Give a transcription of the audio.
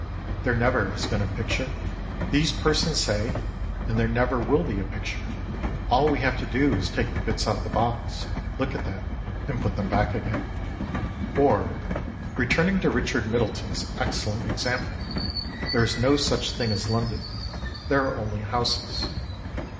There never has been a picture, these persons say, and there never will be a picture; all we have to do is to take the bits out of the box, look at them, and put them back again. Or, returning to Richard Middleton's excellent example: there is no such thing as London, there are only houses.